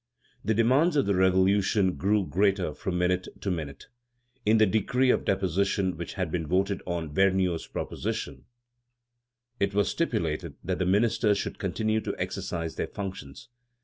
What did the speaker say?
The demands of the Revolution grew greater from minute to minute. In the decree of deposition which had been voted on Vergniaud's proposition, it was stipulated that the ministers should continue to exercise their functions.